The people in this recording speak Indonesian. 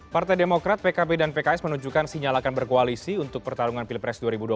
partai demokrat pkb dan pks menunjukkan sinyal akan berkoalisi untuk pertarungan pilpres dua ribu dua puluh